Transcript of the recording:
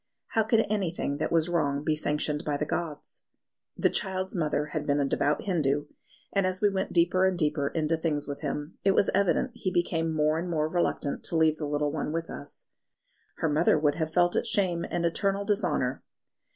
How could anything that was wrong be sanctioned by the gods? The child's mother had been a devout Hindu; and as we went deeper and deeper into things with him, it was evident he became more and more reluctant to leave the little one with us. "Her mother would have felt it shame and eternal dishonour."